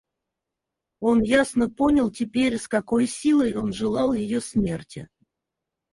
Он ясно понял теперь, с какой силой он желал ее смерти.